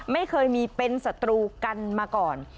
ไม่เคยมีเป็นศัตรูกันมาก่อน